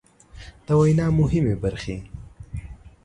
د وينا مهمې برخې